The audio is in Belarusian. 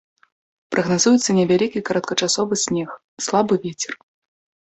Прагназуецца невялікі кароткачасовы снег, слабы вецер.